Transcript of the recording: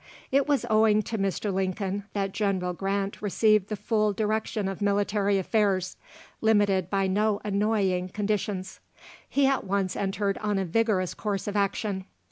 It was owing to Mr. Lincoln that General Grant received the full direction of military affairs, limited by no annoying conditions. He at once entered on a vigorous course of action.